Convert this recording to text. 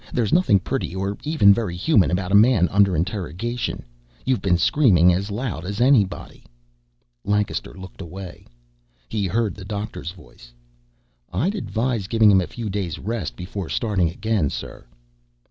"There's nothing pretty or even very human about a man under interrogation. You've been screaming as loud as anybody." Lancaster looked away. He heard the doctor's voice. "I'd advice giving him a few days' rest before starting again, sir."